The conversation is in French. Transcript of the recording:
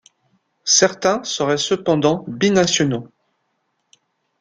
Certains seraient cependant binationaux.